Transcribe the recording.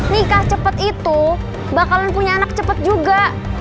nikah cepet itu bakalan punya anak cepet juga